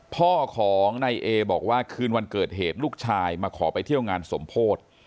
พ่อของนายเอบอกว่าคืนวันเกิดเหตุลูกชายมาขอไปเที่ยวงานสมโพธิ